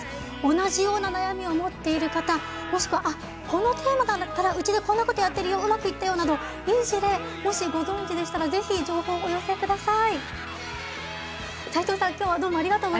同じような悩みを持っている方もしくはこのテーマだったらうちでこんなことやってるようまくいったよ！などいい事例、もしご存じでしたらぜひ、情報をお寄せください。